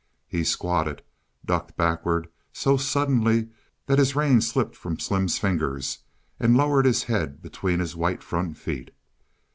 He squatted, ducked backward so suddenly that his reins slipped from Slim's fingers and lowered his head between his white front feet.